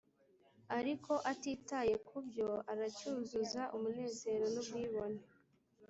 ariko atitaye kubyo, aracyuzuza umunezero nubwibone.